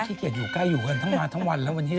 เกียจอยู่ใกล้อยู่กันทั้งงานทั้งวันแล้ววันนี้